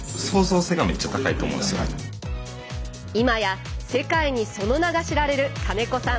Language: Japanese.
今や世界にその名が知られる金子さん。